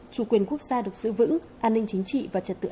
chủ quyền quốc gia được giữ vững an ninh chính trị và trật tự